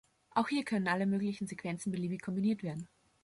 Auch hier können alle möglichen Sequenzen beliebig kombiniert werden.